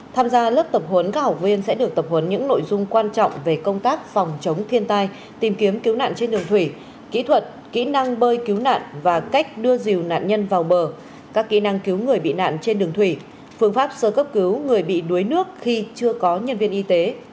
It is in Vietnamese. tham gia lớp tập huấn các học viên sẽ được tập huấn những nội dung quan trọng về công tác phòng chống thiên tai tìm kiếm cứu nạn trên đường thủy kỹ thuật kỹ năng bơi cứu nạn và cách đưa dìu nạn nhân vào bờ các kỹ năng cứu người bị nạn trên đường thủy phương pháp sơ cấp cứu người bị đuối nước khi chưa có nhân viên y tế